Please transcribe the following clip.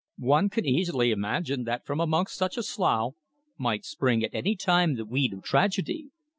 One can easily imagine that from amongst such a slough might spring at any time the weed of tragedy.